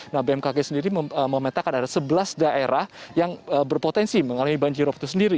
nah bmkg sendiri memetakan ada sebelas daerah yang berpotensi mengalami banjirop itu sendiri